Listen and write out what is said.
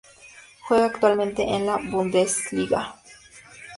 Juega actualmente en la Bundesliga.